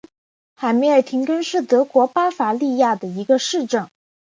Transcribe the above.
海梅尔廷根是德国巴伐利亚州的一个市镇。